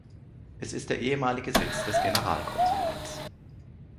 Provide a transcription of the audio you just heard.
Es ist der ehemalige Sitz des Generalkonsulats.